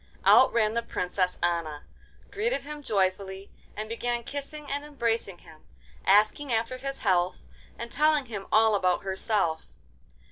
Out ran the Princess Anna, greeted him joyfully, and began kissing and embracing him, asking after his health and telling him all about herself.